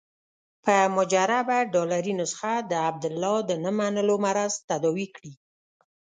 په مجربه ډالري نسخه د عبدالله د نه منلو مرض تداوي کړي.